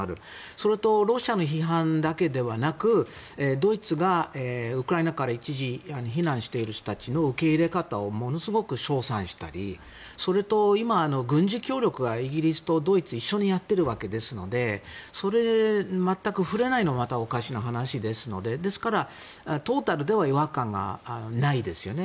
それとロシアの批判だけではなくドイツがウクライナから一時避難している人たちの受け入れ方をものすごく称賛したりそれと今、軍事協力がイギリスとドイツ一緒にやっているわけですのでそれに全く触れないのもおかしな話ですのでですから、トータルでは違和感がないですよね。